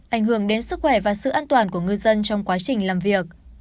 ảnh hưởng đến sức khỏe và sự an toàn của ngư dân trong quá trình làm việc